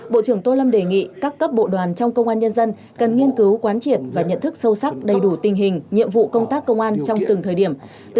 bộ trưởng tô lâm đề nghị các cấp bộ đoàn trong công an nhân dân cần nghiên cứu quán triệt và nhận thức sâu sắc đầy đủ tình hình nhiệm vụ công tác công an trong từng thời điểm